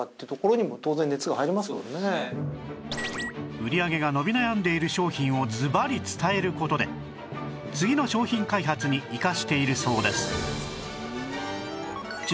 売り上げが伸び悩んでいる商品をずばり伝える事で次の商品開発に生かしているそうです